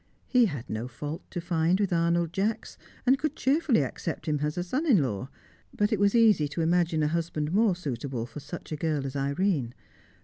He had no fault to find with Arnold Jacks, and could cheerfully accept him as a son in law; but it was easy to imagine a husband more suitable for such a girl as Irene.